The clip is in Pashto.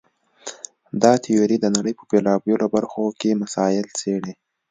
دا تیوري د نړۍ په بېلابېلو برخو کې مسایل څېړي.